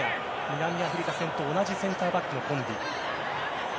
南アフリカ戦と同じセンターバックのコンビ。